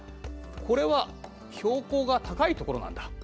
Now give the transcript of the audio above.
これは標高が高い所なんだ。